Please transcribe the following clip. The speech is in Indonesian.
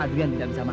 lu bandel arian